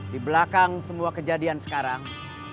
di belakang semua kejadian sekarang